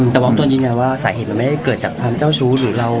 ตะว้างตัวนยืนยันว่าสาเหตุมันไม่ได้เกิดจากความเจ้าชู้